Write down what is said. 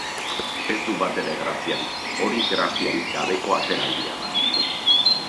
Ez du batere graziarik. Hori graziarik gabeko ateraldia da.